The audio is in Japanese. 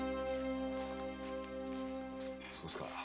そうですか